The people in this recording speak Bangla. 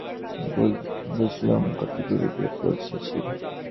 সেই দু দিন প্রথম পরিষ্কার করে বুঝলুম কত দূরে গিয়ে পৌঁচেছি।